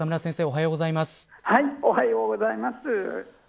おはようございます。